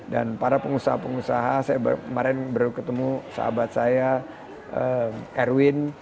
dan para pengusaha pengusaha saya kemarin baru ketemu sahabat saya erwin